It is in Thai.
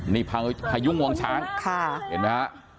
นี่พายุมวงช้างเห็นไหมครับ